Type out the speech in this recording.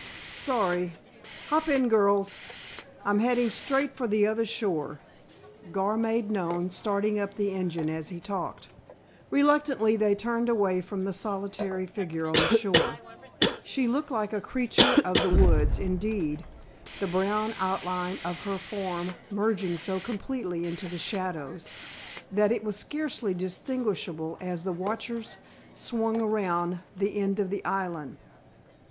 Sorry. Hop in, girls. I'm heading straight for the other shore," Gar made known, starting up the engine as he talked. Reluctantly they turned away from the solitary figure on the shore. She looked like a creature of the woods, indeed, the brown outline of her form merging so completely into the shadows, that it was scarcely distinguishable as the watchers swung around the end of the island.